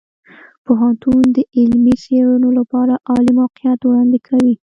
پوهنتون د علمي څیړنو لپاره عالي موقعیت وړاندې کوي.